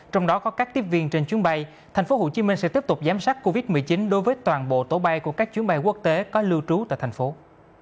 trong đó có các tiếp viên trên chuyến bay tp hcm sẽ tiếp tục giám sát covid một mươi chín đối với toàn bộ tổ bay của các chuyến bay quốc tế có lưu trú tại thành phố